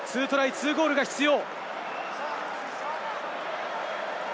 ２ゴールが必要。